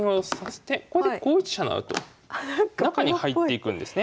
これで５一飛車成と中に入っていくんですね。